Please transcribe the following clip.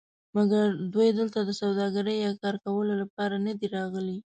مګر دوی دلته د سوداګرۍ یا کار کولو لپاره ندي راغلي.